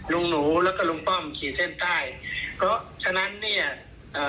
ลุงหนูแล้วก็ลุงป้อมขีดเส้นใต้เพราะฉะนั้นเนี้ยเอ่อ